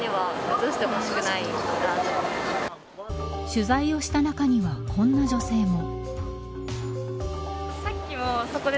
取材をした中にはこんな女性も。